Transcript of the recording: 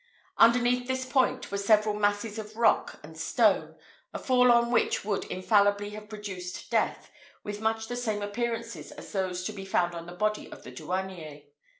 Underneath this point were several masses of rock and stone, a fall on which would infallibly have produced death, with much the same appearances as those to be found on the body of the douanier.